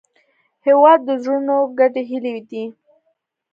هېواد د زړونو ګډې هیلې دي.